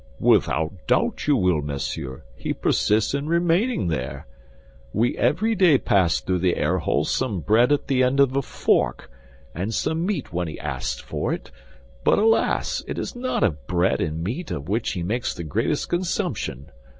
"Without doubt you will, monsieur; he persists in remaining there. We every day pass through the air hole some bread at the end of a fork, and some meat when he asks for it; but alas! It is not of bread and meat of which he makes the greatest consumption.